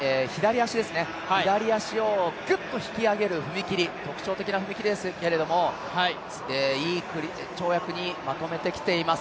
左足をグッと引き上げる踏み切り、特徴的な踏み切りですけどもいい跳躍にまとめてきています。